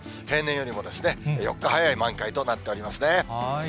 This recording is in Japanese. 平年よりも４日早い満開となっておりますね。